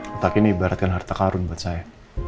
letak ini ibaratkan harta karun buat saya